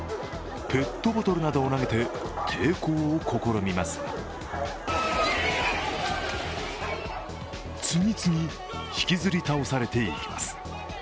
ペットボトルなどを投げて抵抗を試みますが次々、引きずり倒されていきます。